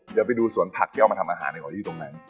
เดี๋ยวไปดูสวนผักที่เอามาทำอาหารดีกว่าที่ตรงนั้น